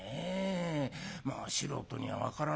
まあ素人には分からないけどもさ。